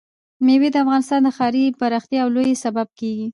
مېوې د افغانستان د ښاري پراختیا یو لوی سبب کېږي.